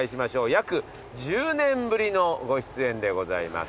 約１０年ぶりのご出演でございます。